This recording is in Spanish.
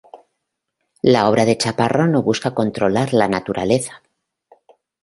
La obra de Chaparro no busca controlar la naturaleza.